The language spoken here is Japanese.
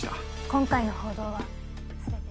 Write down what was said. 今回の報道は全て。